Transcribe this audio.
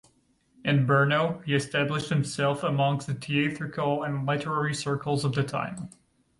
In Brno, he established himself amongst the theatrical and literary circles of the time.